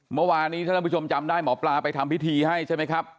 เมื่อวานนี้ถ้าท่านผู้ชมจำได้หมอปลาไปทำพิธีให้ใช่ไหมครับ